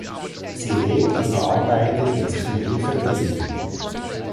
Sie lebt und arbeitet in Schneverdingen.